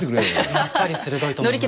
やっぱり鋭いと思います。